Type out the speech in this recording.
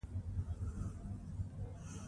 دریابونه د افغانستان د صنعت لپاره مواد برابروي.